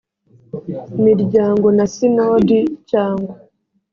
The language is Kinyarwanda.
miryango na sinodi cyangwa